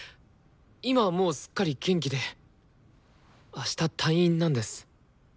今はもうすっかり元気であした退院なんです。